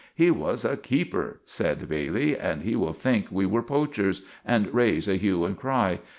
"He was a keeper," sed Bailey, "and he will think we were poachers, and raise a hue and cry.